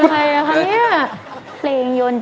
เพลงอะไรอ่ะเพลงนี้